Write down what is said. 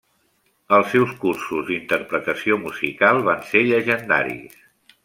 Els seus cursos d'interpretació musical van ser llegendaris.